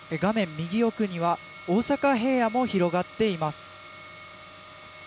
右奥には大阪平野も広がっています。